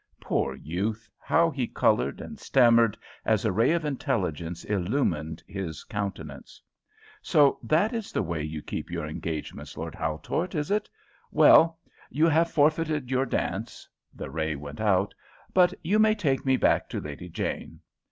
Poor youth! how he coloured and stammered, as a ray of intelligence illumined his countenance! "So that is the way you keep your engagements, Lord Haultort, is it? Well, you have forfeited your dance" the ray went out "but you may take me back to Lady Jane."